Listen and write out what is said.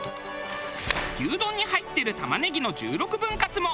牛丼に入ってる玉ねぎの１６分割も。